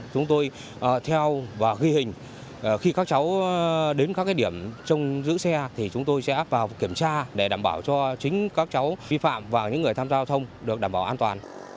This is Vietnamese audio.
chúng tôi theo và ghi hình khi các cháu đến các điểm trong giữ xe thì chúng tôi sẽ vào kiểm tra để đảm bảo cho chính các cháu vi phạm và những người tham gia giao thông được đảm bảo an toàn